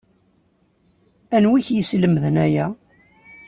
Anwi i k-yeslemden aya?